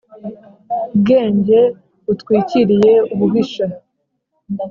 bwenge butwikiriye ububisha